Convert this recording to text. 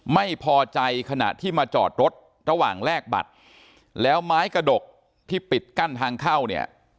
ไม่พอใจขณะที่มาจอดรถระหว่างแลกบัตรแล้วไม้กระดกที่ปิดกั้นทางเข้าเนี่ย